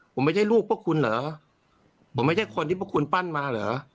ผมไม่ใช่ลูกพวกคุณเหรอผมไม่ใช่คนที่พวกคุณปั้นมาเหรอ